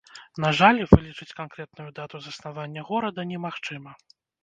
На жаль, вылічыць канкрэтную дату заснавання горада немагчыма.